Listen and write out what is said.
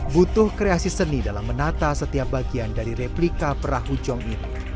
butuh kreasi seni dalam menata setiap bagian dari replika perahu jong ini